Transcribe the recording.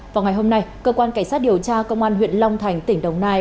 vào ngày hôm nay cơ quan cảnh sát điều tra công an huyện long thành tỉnh đồng nai